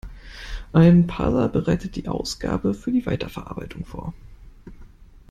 Ein Parser bereitet die Ausgabe für die Weiterverarbeitung vor.